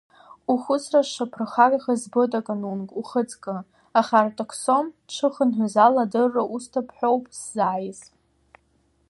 Ухәыцра сшаԥырхагахаз збоит аконунг, ухаҵкы, аха Артаксом дшыхынҳәыз ала адырра усҭап ҳәоуп сзааиз!